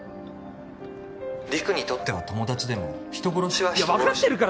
陸にとっては友達でも人殺しは人殺し分かってるから！